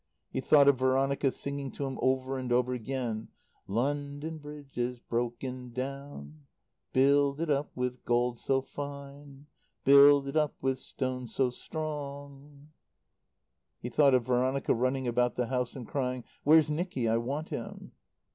He thought of Veronica singing to him over and over again: "London Bridge is broken down "Build it up with gold so fine "Build it up with stones so strong " He thought of Veronica running about the house and crying, "Where's Nicky? I want him."